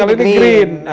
kalau ini green